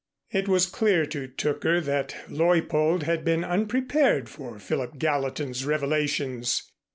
It was clear to Tooker that Leuppold had been unprepared for Philip Gallatin's revelations.